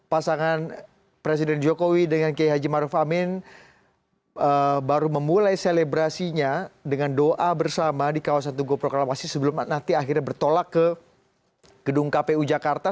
pasangan presiden jokowi dengan kiai haji maruf amin baru memulai selebrasinya dengan doa bersama di kawasan tugu proklamasi sebelum nanti akhirnya bertolak ke gedung kpu jakarta